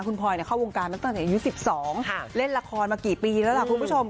คุณพลอยเข้าวงการมาตั้งแต่อายุ๑๒เล่นละครมากี่ปีแล้วล่ะคุณผู้ชม